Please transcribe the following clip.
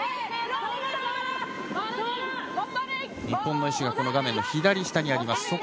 日本の石が亀の左下にあります。